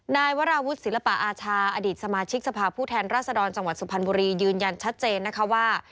นายวราวุฒิศิลปะอาชาอดีตสมาชิกสภาพผู้แทนราชดรจังหวัดสุพรรณบุรียืนยันชัดเจนนะคะว่า